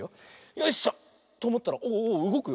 よいしょ。とおもったらおおうごくよ。